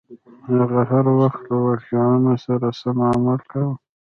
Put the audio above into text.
هغه هر وخت له واقعیتونو سره سم عمل کاوه.